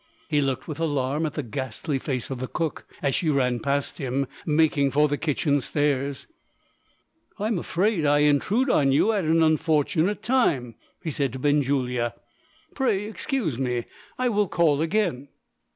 He looked with alarm at the ghastly face of the cook as she ran past him, making for the kitchen stairs. "I'm afraid I intrude on you at an unfortunate time," he said to Benjulia. "Pray excuse me; I will call again."